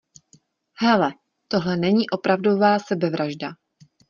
Hele, tohle není opravdová sebevražda.